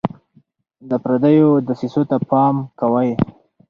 د پردیو دسیسو ته پام کوئ.